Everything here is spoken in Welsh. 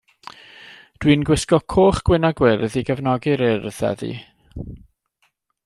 Dwi 'n gwisgo coch, gwyn a gwyrdd i gefnogi'r Urdd heddiw.